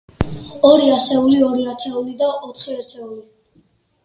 ორი ასეული, ორი ათეული და ოთხი ერთეული.